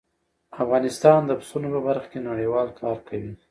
افغانستان د پسونو په برخه کې نړیوال کار کوي.